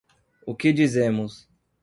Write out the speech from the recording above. O que dizemos